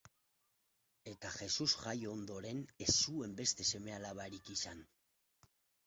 Eta Jesus jaio ondoren ez zuen beste seme-alabarik izan.